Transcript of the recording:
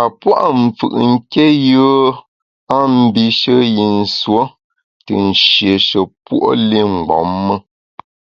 A pua’ mfù’ nké yùe a mbishe yi nsuo te nshieshe puo’ li mgbom me.